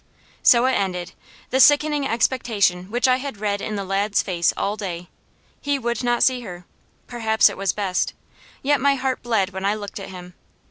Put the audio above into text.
So it ended the sickening expectation which I had read in the lad's face all day. He would not see her perhaps it was best. Yet my heart bled when I looked at him.